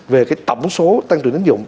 về cái tổng số tăng trưởng tính dụng